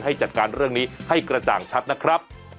ให้จัดการเรื่องนี้ให้กระจ่างชัดนะครับ